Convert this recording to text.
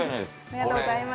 ありがとうございます。